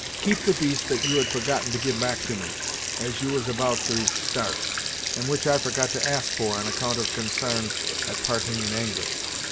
Keep the beast that you had forgotten to give back to me, as you was about to start, and which I forgot to ask for, on account of consarn at parting in anger.